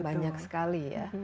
banyak sekali ya